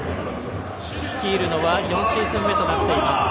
率いるのは４シーズン目となっています